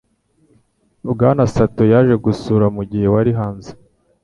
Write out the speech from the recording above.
Bwana Sato yaje gusura mugihe wari hanze.